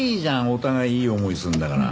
お互いいい思いするんだから。